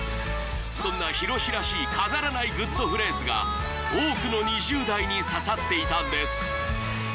そんなひろしらしい飾らないグッとフレーズが多くの２０代に刺さっていたんです